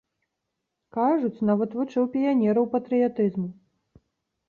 Кажуць, нават вучыў піянераў патрыятызму.